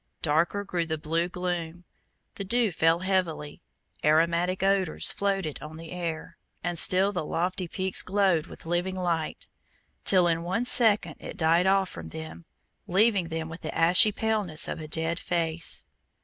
Darker grew the blue gloom, the dew fell heavily, aromatic odors floated on the air, and still the lofty peaks glowed with living light, till in one second it died off from them, leaving them with the ashy paleness of a dead face.